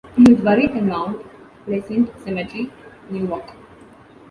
He was buried in Mount Pleasant Cemetery, Newark.